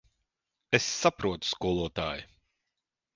Es saprotu, skolotāj.